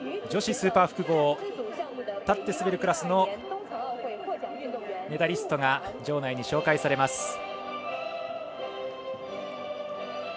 女子スーパー複合立って滑るクラスのメダリストが場内に紹介されます。